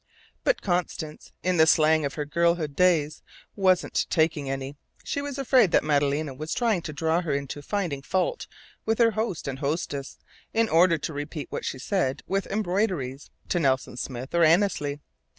But Constance, in the slang of her girlhood days, "wasn't taking any." She was afraid that Madalena was trying to draw her into finding fault with her host and hostess, in order to repeat what she said, with embroideries, to Nelson Smith or Annesley.